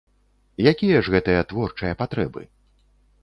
Якія ж гэтыя творчыя патрэбы?